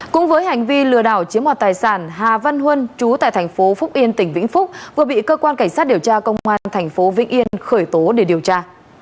cũng với hành vi lừa đảo chiếm hoạt tài sản hà văn huân chú tại thành phố phúc yên tỉnh vĩnh phúc vừa bị cơ quan cảnh sát điều tra công an tp vĩnh yên khởi tố để điều tra